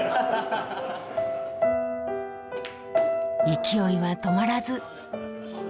勢いは止まらず。